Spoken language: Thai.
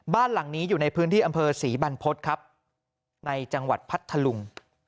บ้านหลังนี้อยู่ในพื้นที่อำเภอศรีบรรพฤษครับในจังหวัดพัทธลุง